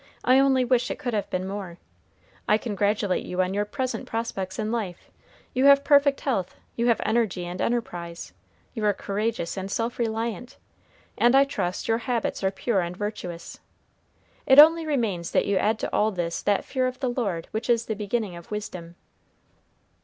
I only wish it could have been more. I congratulate you on your present prospects in life. You have perfect health; you have energy and enterprise; you are courageous and self reliant, and, I trust, your habits are pure and virtuous. It only remains that you add to all this that fear of the Lord which is the beginning of wisdom."